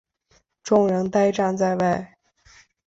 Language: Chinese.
众人呆站在外